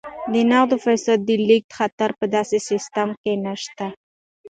د نغدو پيسو د لیږد خطر په دې سیستم کې نشته.